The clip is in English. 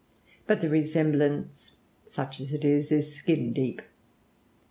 But the resemblance, such as it is, is skin deep.